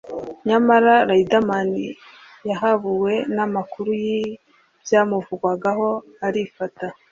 nyamara Riderman yahabuwe n’amakuru y’ibyamuvugwagaho arifata